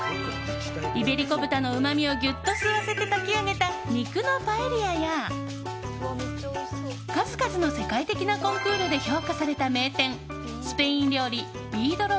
イベリコ豚のうまみをギュッと吸わせて炊き上げた肉のパエリアや数々の世界的なコンクールで評価された名店スペイン料理びいどろ